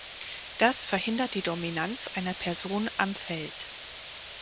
Das verhindert die Dominanz einer Person am Feld.